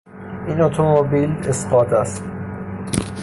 این اتوموبیل اسقاط است